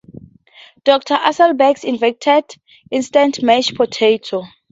Dr. Asselbergs invented instant mashed potatoes.